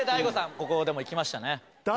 ここでもいきましたねだ